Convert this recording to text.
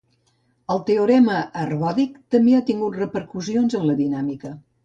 El teorema ergòdic també ha tingut repercussions en la dinàmica.